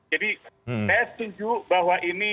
jadi saya setuju bahwa ini